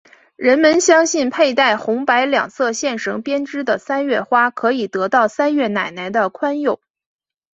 人们相信佩戴红白两色线绳编织的三月花可以得到三月奶奶的宽宥。